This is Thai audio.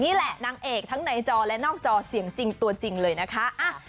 นี่แหละนางเอกทั้งในจอและนอกจอเสียงตัวจริงเลยนะคะ